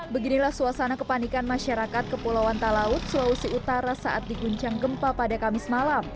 beginilah suasana kepanikan masyarakat kepulauan talaut sulawesi utara saat diguncang gempa pada kamis malam